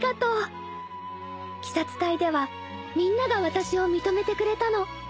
鬼殺隊ではみんなが私を認めてくれたの